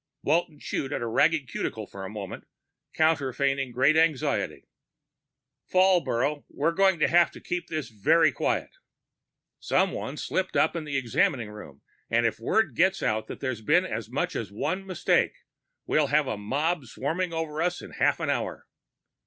Walton chewed at a ragged cuticle for a moment, counterfeiting great anxiety. "Falbrough, we're going to have to keep this very quiet. Someone slipped up in the examining room, and if word gets out that there's been as much as one mistake, we'll have a mob swarming over us in half an hour."